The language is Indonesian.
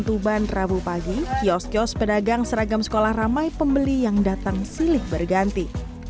tuban rabu pagi kios kios pedagang seragam sekolah ramai pembeli yang datang silih berganti